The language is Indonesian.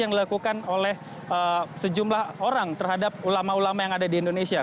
yang dilakukan oleh sejumlah orang terhadap ulama ulama yang ada di indonesia